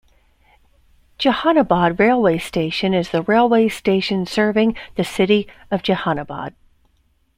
Jehanabad railway station is the railway station serving the city of Jehanabad.